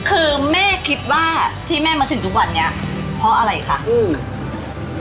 คือแม่คิดว่าที่แม่มาถึงทุกวันนี้เพราะอะไรคะอืม